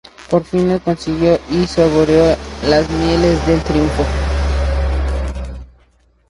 Por fin lo consiguió y saboreó las mieles del triunfo